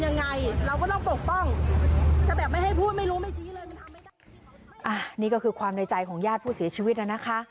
อันนี้ก็คือความในใจของญาติผู้เสียชีวิตน่ะนะคะ